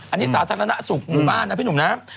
อันนี้สาธารณสุขหมู่บ้านนะพี่หนุ่มนะ